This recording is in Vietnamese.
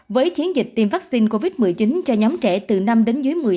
với chiến dịch tiêm vaccine covid một mươi chín cho nhóm trẻ từ năm đến dưới